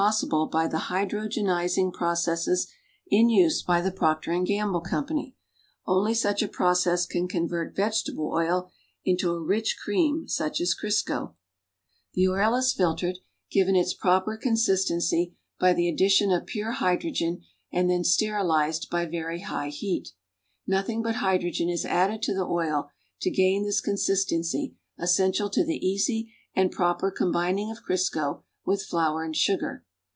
ssible by the hydrogenizing processes in use by The Procter & Gamble Company. Only such a process can convert vegetable oil into a rich cream such as Crisco. The oil is filtered, given its proper consistency liy tlie addition of pure hydrogen and tiien sterilized by \ery liigli heat. Nothing but hydrogen is added to the oil to gain this consistency essential to the easy and proper combining of Crisco with flour and sugar.